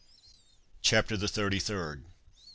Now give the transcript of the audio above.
CHAPTER THE THIRTY THIRD.